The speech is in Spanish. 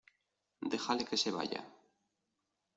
dejale que se vaya.